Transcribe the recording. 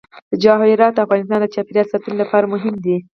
جواهرات د افغانستان د چاپیریال ساتنې لپاره مهم دي.